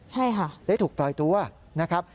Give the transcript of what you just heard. ใช่ค่ะได้ถูกปล่อยตัวนะครับ